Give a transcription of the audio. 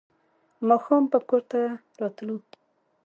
ماښام به کور ته راتلو.